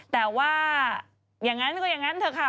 แต่ว่าอย่างนั้นก็อย่างนั้นเถอะค่ะ